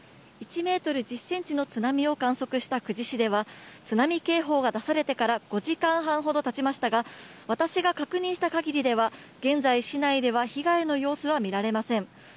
１メートル１０センチの津波を観測した久慈市では、津波警報が出されてから５時間半ほどたちましたが、私が確認したかぎりでは、現在、市内では被害の様子は見られません。